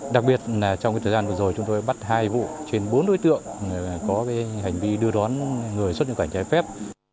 đặc biệt là trong thời gian vừa rồi chúng tôi bắt hai vụ trên bốn đối tượng có hành vi đưa đón người xuất nhập cảnh trái phép